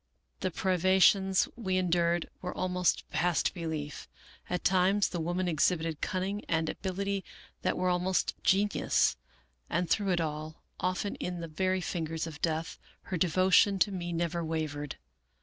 The privations we endured were almost past belief. At times the woman exhibited cunning and abil ity that were almost genius ; and through it all, often in the very fingers of death, her devotion to me never wavered.